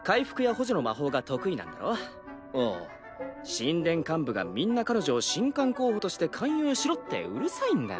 神殿幹部がみんな彼女を神官候補として勧誘しろってうるさいんだ。